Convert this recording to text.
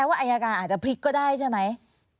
ว่าอายการอาจจะพลิกก็ได้ใช่ไหม